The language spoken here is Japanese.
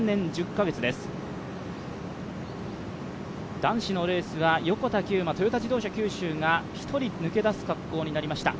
男子のレースは横田玖磨、トヨタ自動車九州が１人抜け出す格好になりました。